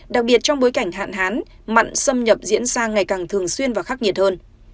đặc biệt trong bối cảnh hạn hán mặn xâm nhập diễn ra ngày càng thường xuyên và khắc nhiệt hơn